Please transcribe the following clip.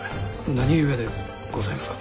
何故でございますか？